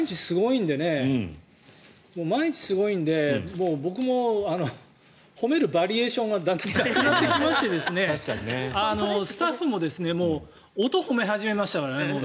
毎日すごいのでもう僕も褒めるバリエーションがだんだんなくなってきましてスタッフも音を褒め始めましたからね。